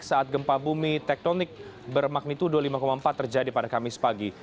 saat gempa bumi tektonik bermagnitudo lima empat terjadi pada kamis pagi